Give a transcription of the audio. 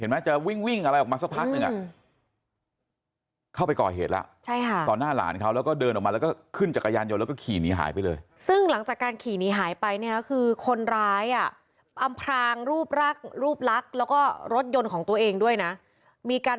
มีการเปลี่ยนล้อรถมอเตอร์ไซส์